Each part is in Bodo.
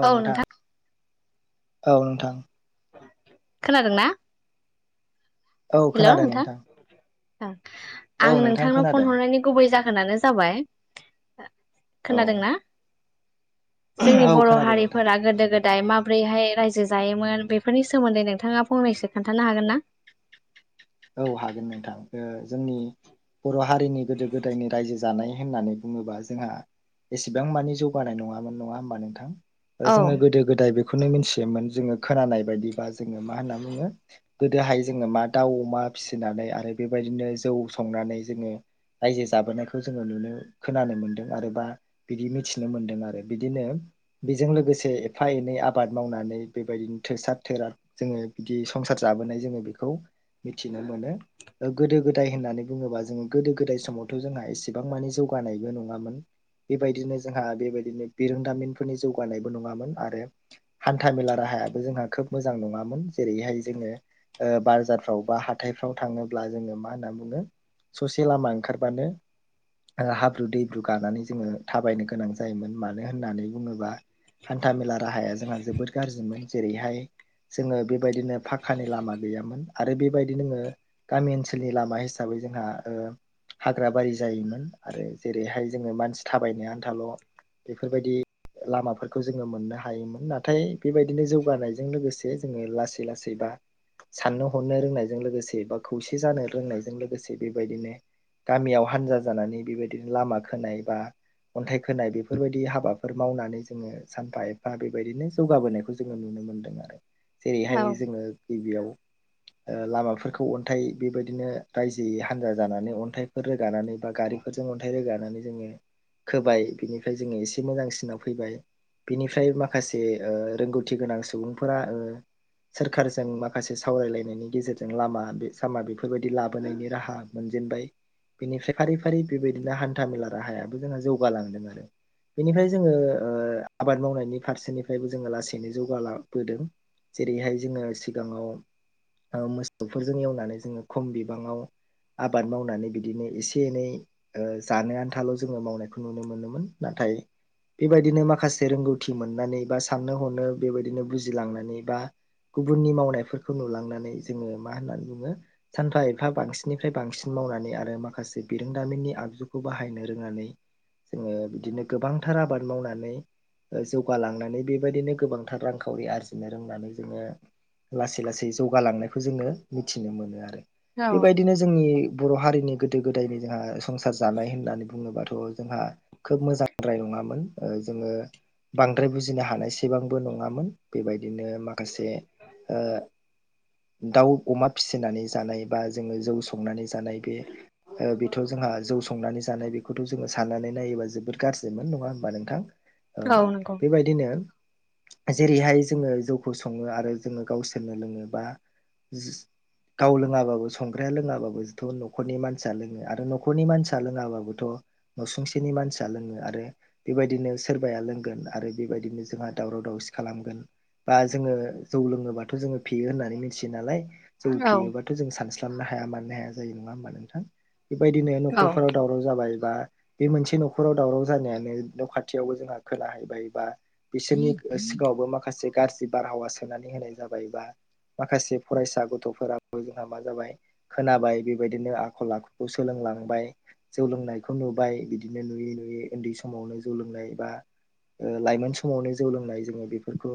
औ नोंथां औ नोंथां खोनादोंना औ खोनादों नोंथां औ आं नोंथां नोंथांनाव फन खोनादों हरनायनि गुबै जाहोनानो जाबाय औ खोनादोंना जोंनि औ बर' खोनादों नोंथां हारिफोरा गोदो गोदाय माब माबोरैहाय रायजो जायोमोन बेफोरनि सोमोन्दै नोंथाङा फंनैसो खोन्थानो हागोन ना औ हागोन नोंथां ओ जोंनि बर हारिनि गोदो गोदायनि रायजो जानाय होननानै बुङोबा जोंहा एसेबां मानि जौगानाय नङामोन नङा होमबा नोंथां औ जोंङो गोदो गोदाय बे खौनो मिथियोन जों खोनानाय बायदिबा जोङो मा होनना बुङो गोदोहाय जोंङो अमा दाउ अमा फिसिनानै आरो बेबायदिनो जौ संनानै जोङो रायजो जाबोनायखौ जोङो नुनो खोनानो मोनदों आरो बा बिदि मिथिनो मोनदों आरो बिदिनो बेजों लोगोसे एफा एनै आबाद मावनानै बेबायदिनो थोसाब थोराब जोंङो बिदि संसार संसार जाबोनाय जोंङो बेखौ मिथिनो मोनो गोदो गोदाय होननानै बुङोबा जोंङो गोदो गोदाय समावथ' जोंहा एसेबां माने जौगानाय नायबो नंङामोन बेबायदिनो जोंहा बेबायदिनो बिरोंदामिनफोरनि जौगानायबो नङामोन आरो हान्था मेला राहा ह जों खोब मोजां नंङामोन जेरैहाय जो बाजार आव बा हाथायफ्राव थाङोब्ला जोंङो मा होनना बुंङो ससे लामा ओंखारबानो हाब्रु दैब्रु गानानै जोंङो थाबायनो गोनां जायोमोन मानो होननानै बुङोबा हान्था मेला राहाया जोंहा जोबोद गाज्रिमोन जेरैहाय जोंङो बेबायदिनो फखानि लामा गैयामोन आरो बेबायदि नोङो गामि ओनसोलनि लामा हिसाबै जोंहा ओ हाग्रा बारि जायोमोन आरो जेरैहाय जोंङो मानसि थाबायनो आन्थाल' बेफोरबायदि लामाफोरखौ जोङो मोननो हायोमोन नाथाय बेबायदिनो जौगानायजों लोगोसे जोंङो लासै लासैबा साननो हरनो रोंनायजों लोगोसे बा खौसे जानो रोंनायजों लोगोसे बेबायदिनो गामियाव हानजा जानानै बेबायदिनो लामा खोनाय बा अन्थाइ खोनाय बेफोरबायदि हाबाफोर मावनानै जोंङो सानफा एफा बेबायदिनो जौगाबोनायखौ जोंङो नुनो मोनो मोनदों आरो औ जेरैहाय जोङो गिबियाव ओ लामाफोरखौ अन्थाइ बेबायदिनो रायजोै हान्जा जानानै अन्थाइफोर रोगानानै बा गारिफोरजों अन्थाइ रोगानानै जोंङो खोबाय बिनिफ्राय जोंङो एसे मोजांसिनाव फैबाय बिनिफ्राय माखासे रोंगौथि गोनां सुबुंफोरा ओ सोरखारजों माखासे से सावरायलायनायनि गेजेरजों लामा बे सामा बेफोरबायदि लाबोनायनि राहा मोनजेनबाय बेनिफ्राय फारि फारि बेबायदिनो हानथा मेला राहायाबो जोंहा जौगालांदों आरो बेनिफ्राय जोंङो आबाद मावनायनि फारसेनिफ्रायबो जोङो लासैनो जौगा लाबोदों। जेरैहाय जोंङो सिगाङाव मोसौफोरजों एवनानै जोंङो खम बिबाङाव आबाद मावनानै बिदिनो एसे एनै जानो आनथाल जोंङो मावनायखौ नुनो मोनोमोन ना थायो बेबायदिनो माखासे रोंगौथि मोननानै बा साननो हनो बेबायदिनो बुजिलांनानै बा गुबुननि मावनायफोर खौ नुलांनानै जोंङो मा होननानै बुंङो सानफा एफा बांसिननिफ्राय बांसिन मावनानै आरो माखासे बिरोंदामिननि आगजुखौ बाहायनो रोनानै जोंङो बिदिनो गोबांथार आबाद मावनानै जौगालांनानै बेबायदिनो गोबांथार रांखावरि आरजिनो रोंनानै जोंङो लासै लासै लासै जौगालांनायखौ जोंङो मिथिनो मोनो आरो औ बेबायदिनो जोंनि बर' हारिनि गोदो गोदायनि जोंहा संसार जानाय होननानै बुङोबाथ' जोंहा खोब मोजांद्राय नङा नङामोन जोंङो बांद्राय बुजिनो हानायसेबांबो नङामोन बेबायदिनो माखासे [inaudible] दाउ अमा फिसिनानै जानाय बा जोंङो जौ संनानै जानाय बे बेथ' जोंहा जौ संनानै जानाय बेखौथ' जोङो साननानै नायोबा जोबोद गाज्रिमोन नङा होमबा नोंथां औ नंगौ बेबायदिनो जेरैहाय जोङो जौखौ सङो आरो जोङो गावसोर। नो लोङोबा। गाव लोङाबाबो संग्राया लोङाबाबोथ' न'खरनि मानसिया लोङो आरो न'खरनि मानसिया लोङाबाबोथ'। नसुंसेनि मानसिया लोङो आरो बेबायदिनो सोरबाया लोंगोन आरो बेबायदिनो जोंहा दावराव। व दावसि खालामगोन बा जोङो जौ लोङोबा। जों फेयो होननानै मिथियो नालाय जौ औ फेयोबाथ' जों सान। खालामनो हाया मानो हाया जायो नङा होमबा नोंथां बेबायदिनो औ न'खरफोराव दावराव जाबाय बा बे मोनसे न'खराव दावराव जानायानो न' खाथियावबो जोंहा खोनाहैबाय बा बिसोरनि। सिगाङावबो माखासे गाज्रि बारहावा सोनानै होनाय जाबाय बा। माखासे फरायसा गथ'फोराबो जोंहा मा जाबाय खोनाबाय बेबायदिनो आखल आखुखौ सोलोङो। लांबाय जौ लोंनायखौ नुबाय बिदिनो नुयै नुयै उनदै समावनो जौ लोंनाय बा। लाइमोन समावनो जौ लोंनाय जोङो बेफोरखौ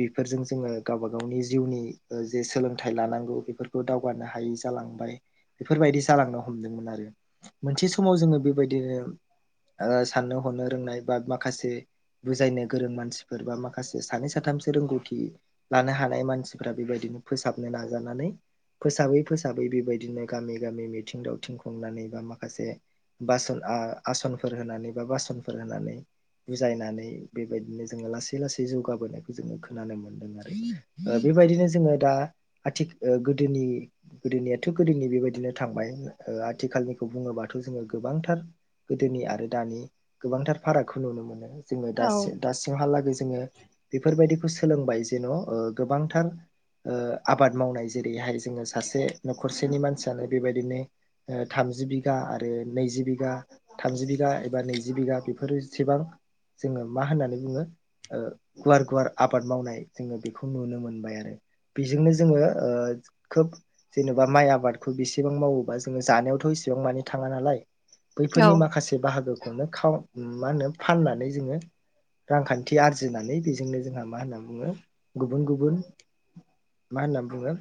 बेफोरजों जोङो। गावबा गावनि जिउनि जे सोलोंथाइ लानांगौ बेफोरखौ दावगानो हायै जालांबाय। बेफोरबायदि जालांनो हमदोंमोन आरो मोनसे समाव जोङो बेबायदिनो। साननो हरनो रोंनाय बा माखासे। बुजायनो गोरों मानसिफोर बा माखासे सानै साथामसो रोंगौथि। लानो हानाय मानसिफ्रा बेबायदिनो फोसाबनो नाजानानै। फोसाबै फोसाबै बेबायदिनो गामि गामि मिथिं दावथिं खुंनानै बा माखासे। बासन आसनफोर होनानै बा बासनफोर होनानै। बुजायनानै बेबायदिनो जोङो लासै लासै जौगाबोनायखौ जोङो खोनानो मोनदों आरो। बेबायदिनो जोङो दा आथिखाल गोदोनि। गोदोनियाथ' गोदोनि बेबायदिनो थांबाय आथिखालनिखौ बुङोबाथ' जोङो गोबांथार। गोदोनि आरो दानि गोबांथार फारागखौ नुनो मोनो। जोङो औ दासिम दासिमहालागै जोङो बेफोरबायदिखौ सोलोंबाय। गोबांथार आबाद मावनाय जेरैहाय जोङो सासे नखरसे। मानसियानो बेबायदिनो थामजि बिगा आरो नैजि बिगा थाम बिगा एबा। नैजि बिघा बेफोर एसेबां। जोङो मा होननानै बुङो गुवार गुवार आबाद मावनाय। जोङो बेखौ नुनो मोनबाय आरो। बेजोंनो जोङो खोब जेनेबा माइ आबादखौ बेसेबां मावोबा जोङो जानायावथ'। बेसेबां मानि थाङा नालाय औ बैफोरनि माखासे बाहागोखौनो। मा होनो फाननानै जोङो रांखानथि आरजिनानै बेजोंनो जोंहा मा होनना बुङो। गुबुन गुबुन मा होनना बुङो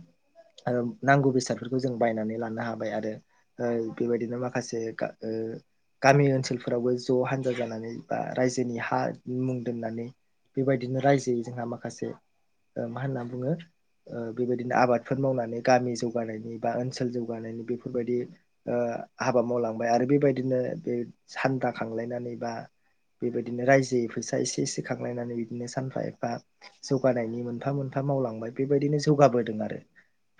आरो नांगौ बेसादफोरखौ जों बायनानै लानो हाबाय आरो ओ बेबायदिनो माखासे ओ गामि ओनसोलफोरावबो ज' हान्जा जानानै बा रायजोनि हा मुं दोननानै बेबायदिनो रायजोहै जोंहा माखासे मा होनना बुङो ओ बेबायदिनो आबादफोर मावनानै गामि जौगानायनि बा ओनसोल जौगानायनि बेफोरबायदि ओ हाबा मावलांबाय आरो बेबायदिनो बे सान्दा खांलायनानै बा बेबायदिनो रायजोयैक्षफैसा एसे एसे खांलायनानै बिदिनो सानफा एफा जौ जौगानायनि मोनफा मोनफा मावलांबाय, बेबायदिनो जौगाबोदों आरो।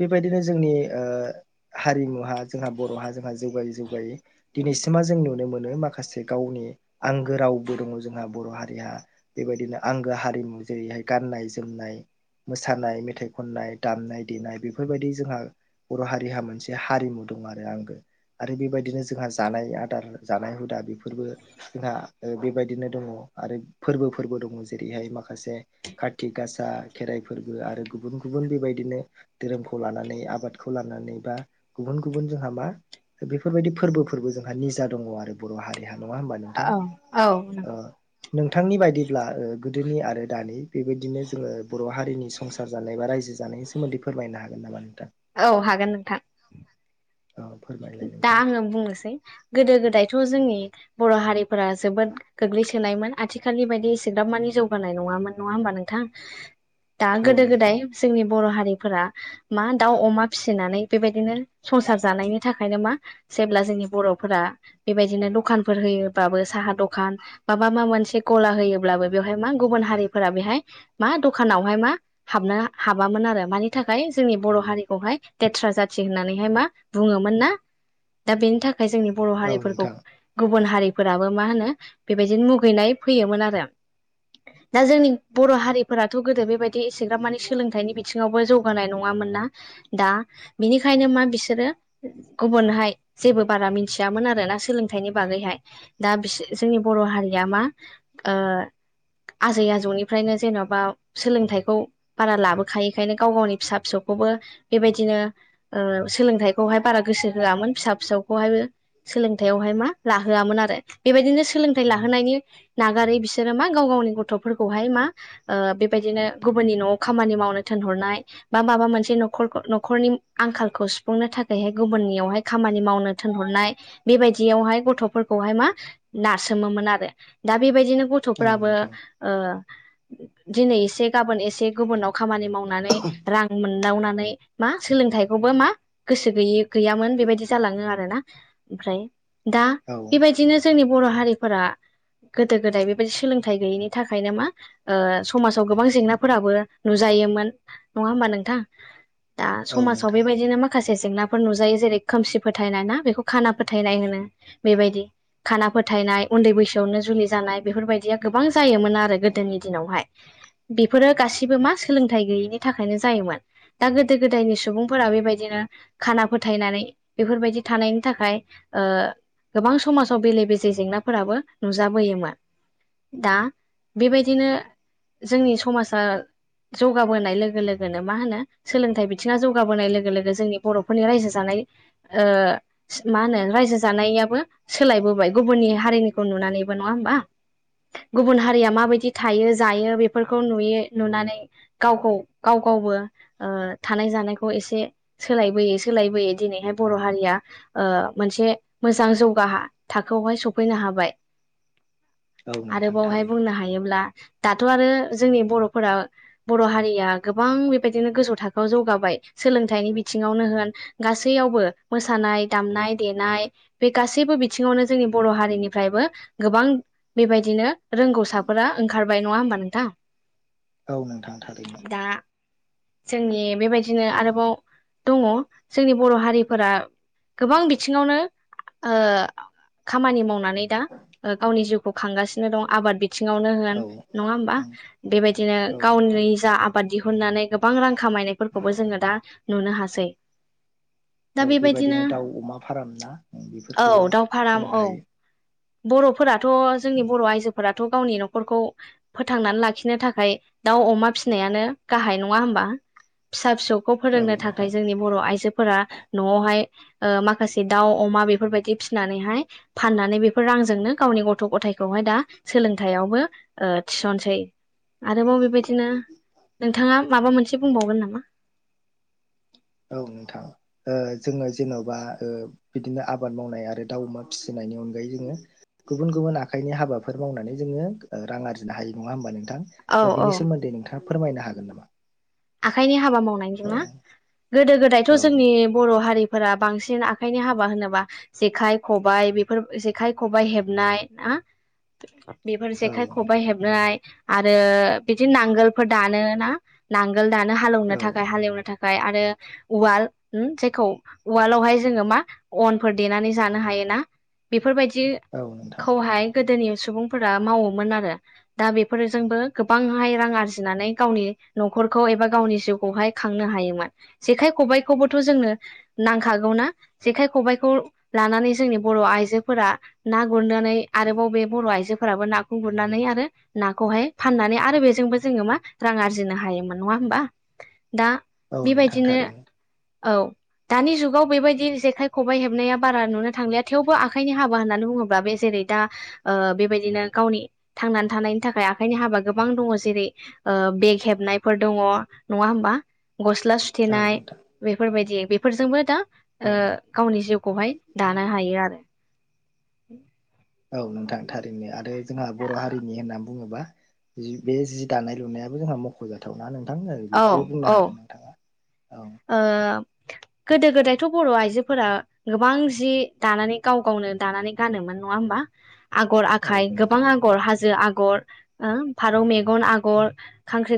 बेबायदिनो जोंनि ओ हारिमुहा जोंहा बर'हा जोंहा जौगायै जौगायै दिनै बिसिमा जों नुनो मोनो माखासे गावनि आंगो रावबो दङ जोंहा बर' हारिया। बेबायदिनो आंगो हारिमु जेरैहाय गाननाय जोमनाय मोसानाय मेथाइ खननाय दामनाय देनाय बेफोरबायदि जोंहा बर' हारिहा मोनसे हारिमु दं आरो आंगो आरो बेबायदिनो जोंहा जानाय आदार जानाय हुदा बेफोरबो जोंहा बेबायदिनो दङ। आरो फोर्बो फोरबो दङ जेरैहाय माखासे खा थि गासा खेराइ फोर्बो आरो गुबुन गुबुन बेबायदिनो धोरोमखौ लानानै आबादखौ लानानै गुबुन गुबुन जोंहा मा बेफोरबायदि फोर्बो फोरबो जोंहा निजा दङ आरो बर' हारिहा। नङा होमबा नोंथां। औ औ ओ नंगौ नोंथांनि बायदिब्ला गोदोनि आरो दानि बेबायदिनो जोङो बर' हारिनि संसार जानाय बा रायजो जानायनि सोमोन्दै फोरमायनो हागोन नामा नोंथां? औ हागोन नोंथां। औ फोरमायलाय दा नोंथां आङो बुंनोसै गोदो गोदायथ' जोंनि बर' हारि फोरा जोबोद गोग्लैसोनायमोन। आथिखालनि बायदि एसेग्राबमानि जौगानाय नङामोन, नङा होमबा नोंथां? दा औ गोदो नोंथां गोदाय जोंनि बर' हारि फोरा, मा दाउ अमा फिसिनानै बेबायदिनो संसार जानायनि बिनि थाखायनो मा जेब्ला जोंनि बर'फोरा बेबायदिनो दखानफोर होयोबाबो साहा दखान माबा मा मोनसे गला होयोब्लाबो बेवहाय मा गुबुन हारिफोरा बेहाय मा दखानावहाय मा हाब हाबामोन आरो। मानि थाखाय जोंनि बर' हारिखौहाय लेथ्रा जाथि होननानै मा बुङो मोनना, दा बेनि थाखाय जोंनि बर' औ हारिफोरखौ नोंथां गुबुन हारिफोराबो मा होनो बेबायदिनो मुगैनाय फैयोमोन आरो। दा जोंनि बर' हारिफोराथ' गोदो बेबायदि एसेग्राब मानि सोलोंथाइनि बिथिङावबो जौ गानाय नङामोन ना। दा बिनिखायनो मा बिसोरो गुबुनहाय जेबो बारा मिथियामोन आर ना सोलोंथाइनि बागैहाय दा, बिस जोंनि बर' हारिया मा ओ आजै आजौनिफ्रायनो जेन'बा सोलोंथाइखौ बारा लाबोखायखायनो गाव गावनि फिसा फिसौ खौबो बेबायदिनो ओ सोलोंथाइखौहाय बारा गोसो होआमोन। फिसा फिसौखौहायबो सोलोंथाइयावहाय मा लाहोआमोन आरो। बेबायदिनो सोलोंथाइ लाहोनायनि नागारै बिसोरो मा गाव गावनि गथ' गथ'फोरखौहाय मा बेबायदिनो गुबुननि न'आव खामानि मावनो थिनहरनाय, बा माबा मोनसे न' खर न'खरनि आंखालखौ सुफुंनो थाखाय। हाय गुबुननियावहाय खामानि मावनो थोनहरनाय, बेबायदियावहाय गथ'फोरखौहाय मा नास सोमोमोन आरो। दा बेबायदि दिनो औ गथ'फ्राबो नोंथां ओ दिनै एसे गाबोन एसे गुबुनाव खामानि मावनानै रां मोनदावनानै मा सोलोंथाइखौबो मा गोसो गैयि गैयामोन बेबायदि जालाङो आरो ना। ओमफ्राय दा औ बेबायदिनो जोंनि बर' हारिफोरा गोदो गोदाय बेबायदि सोलोंथाइ गैयिनि थाखायनो मा ओ समाजाव गोबां जेंनाफोराबो नुजा जोयोमोन, नङा होम्बा नोंथां। दा औ समाजाव नोंथां बेबायदिनो मा जेंना नुजायो जेरै खोमसि फोथायनाय ना बेखौ खाना फोथाय होनो बेबायदि। खाना फो फोथायनाय उन्दै बैसोआवनो जुलि जानाय बेफोरबायदिया गोबां जायोमोन आरो गोदोनि दिनावहाय। बेफोरो गासिबो मा सोलोंथाइ गैयिनि थाखायनो जायोमोन। दा गोदो-गोदायनि सुबुंफोरा बेबायदिनो खाना फोथायनानै बेफोरबायदि थानायनि थाखाय ओ गोबां समाजआव बेले-बेजे जेंनाफोराबो नुजाबोयोमोन। दा बेबायदिनो जोंनि समासा जौगाबोनाय लोगो-लोगोनो मा होनो सोलोंथाइ बिथिङा जौगाबोनाय लोगो-लोगो जोंनि बर'फोरनि रायजो जानाय ओ मा होनो रायजो जानायाबो सोलायबोबाय गुबुन नि हारिनिखौ नुनानैबो नङा होमबा? गुबुन हारिया माबायदि थायो जायो बेफोरखौ नुयो नुनानै गावखौ गाव गावबो ओ थानाय-जानायखौ एसे सोलायबोयै-सोलायबोयै दिनैहाय बर' हारिया ओ मोनसे मोजां जौगा हा थाखोआव हाय सफैनो हाबाय। [inaudible] औ आरो नोंथां बावहाय थारैनो बुंनो हायोब्ला दाथ' आरो जोंनि बर'फोरा बर' हारिया गोबां बेबायदिनो गोजौ थाखोआव जौगाबाय। सोलोंथाइनि बि थिङावनो होन गासैयावबो मोसानाय दामनाय-देनाय बे गासैबो बिथिङावनो जोंनि बर' हारिनिफ्रायबो गोबां बेबायदिनो रोंगौसाफोरा ओंखारबाय नङा होमबा नोंथां? औ नोंथां थारैनो दा जोंनि बेबायदिनो औ आरोबाव दङ' जोंनि बर' हारिफोरा गोबां बिथिङावनो ओ खामानि मावनानै दा ओ गावनि जिउखौ खांगासिनो दं आबाद बि थिंङावनो होन औ नङा होमबा बेबायदिनो औ नोंथां गावनि जा आ बाद दिहुननानै गोबां रां खामायनायफोरखौबो जोङो दा नुनो हासै। औ बेबायदिनो दाउ-अमा फार्म ना औ बेफोरखौबो दाउ फाराम बुंनो औ हायो। बर'फोराथ' जोंनि बर' आइजोफोराथ' गावनि न'खरखौ फोथांनानै लाखिनो थाखाय दाउ अमा फिसिनायानो गाहाय नङा होमबा फिसा फिसौ खौ औ फोरोंनो नोंथां थाखाय जोंनि बर' आइजोफोरा न'आवहाय ओ माखासे दाउ अमा बेफोरबायदि फिनानैहाय फाननानै बे फोर रांजोंनो गावनि गथ'-गथायखौहाय दा सोलोंथायावबो ओ थिसनसै। आरोबाव बेबायदिनो नोंथाङा माबा मोनसे बुंबावगोन नामा? [inaudible] औ नोंथां ओ जोङो जेन'बा ओ बिदिनो आबाद मावनाय आरो दाउ अमा फिसिनाय नि अनगायै जोङो गुबुन गुबुन आखाइनि हाबाफोर मावनानै जोङो ओ रां आरजिनो हायो नङा होमबा नों थां औ औ बिनि सोमोन्दै नोंथाङा फोरमायनो हागोन नामा? आखाइनि हाबा मावनाय [unintelligible] औ ना गोदो गोदायथ' औ जोंनि बर' हारि फोरा बांसिन आखाइनि हाबा होनोबा जेखाइ खबाइ बेफोर जेखाइ खबाइ हेबनाय ना? [inaudible] बेफोर जेखाय खबाइ हेबनाय आरो बिदि नांगोलफोर दानो ना नांगो ल दानो हालेवनो औ थाखाय हालेवनो थाखाय आरो उवाल उम जेखौ उवालावहाय जोङो मा अनफोर देनानै जानो हायो ना बेफोरबायदि औ नोंथां खौहाय गोदोनि सुबुंफोरा मावोमोन आरो दा बेफोरजोंबो गोबांहाय रां आरजिनानै गावनि न'खरखौ एबा गावनि जिउखौहाय खांनो हायोमोन जेखाइ-खबाइखौबोथ' जोंनो नांखागौ ना जेखाइ खबाइखौ लानानै जोंनि बर' आइजोफोरा ना गुरनो नै आरोबाव बे बर' आइजो फोराबो नाखौ गुरनानै आरो नाखौहाय फाननानै आरो बेजोंबो जोङो मा रां आर जिनो हायोमोन नङा होमबा दा औ नोंथां बेबायदिनो थारैनो औ। दानि जुगाव बेबायदि जेखाइ खबाइ हेबनाया बारा नुनो थांलिया थेवबो आखाइनि हाबा होननानै बुङोब्ला बे जेरै दा ओ बेबायदिनो गावनि थांनानै थानायनि थाखाय आखाइनि हाबा गोबां दङ जेरै ओ बे खेबनायफोर दङ नङा हबा गस्ला औ सुथेनाय नोंथां बेफोरबायदि बेफोरजोंबो दा औ ओ गावनि जिउखौहाय दानो हायो आरो औ नोंथां थारैनो आरो जोंहा बर' हारिनि होनना बुङोबा जि बे जि दानाय लुनायाबो जोंहा मख'जाथावना नों थां औ बेखौबो बुंनो औ हागोन नोंथाङा औ ओ गोदो गोदायथ' बर' आइजोफोरा गोबां जि दानानै गाव गावनो दानानै गानोमोन नङा होमबा आगर औ आखाइ गोबां नोंथां आगर हाजो आगर फारौ मेगन आगर खांख्रि